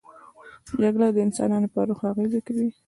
جګړه د انسانانو پر روح اغېز کوي